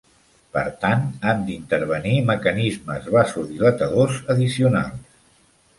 Per tant, han d'intervenir mecanismes vasodilatadors addicionals.